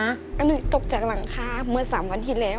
อันหนึ่งตกจากหลังคาเมื่อ๓วันที่แล้ว